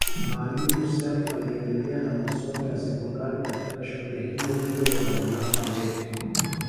Maalim Self aliendelea na masomo ya sekondari katika shule hiyo hiyo ya wavulana wete